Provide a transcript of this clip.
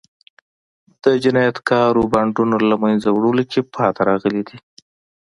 د جنایتکارو بانډونو له منځه وړلو کې پاتې راغلي دي.